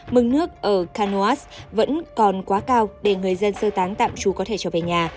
mừng nước ở canoas vẫn còn quá cao để người dân sơ tán tạm trú có thể trở về nhà